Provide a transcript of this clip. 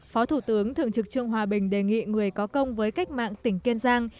phó thủ tướng thường trực trương hòa bình đề nghị người có công với cách mạng tỉnh kiên giang